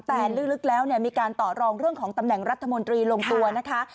แต่ลึกแล้วมีการต่อรองเรื่องของตำแหน่งรัฐมนตรีลงตัวนะคะ